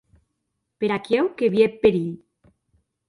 Per aquiu que vie eth perilh.